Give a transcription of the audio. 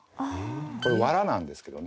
これ藁なんですけどね。